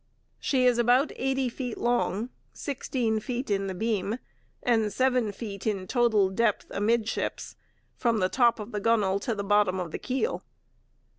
She is about eighty feet long, sixteen feet in the beam, and seven feet in total depth amidships, from the top of the gunwale to the bottom of the keel.